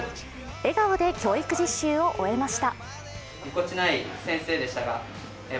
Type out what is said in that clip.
笑顔で教育実習を終えました。